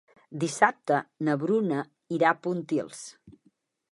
Dissabte na Bruna irà a Pontils.